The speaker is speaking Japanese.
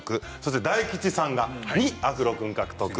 大吉さんが２アフロ君、獲得。